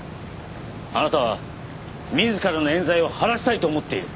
あなたは自らの冤罪を晴らしたいと思っている。